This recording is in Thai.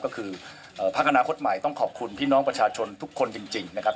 ก็คือพักอนาคตใหม่ต้องขอบคุณพี่น้องประชาชนทุกคนจริงนะครับ